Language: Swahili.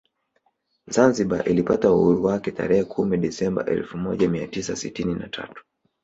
Zanzibar ilipata uhuru wake tarehe kumi Desemba elfu moja mia tisa sitini na tatu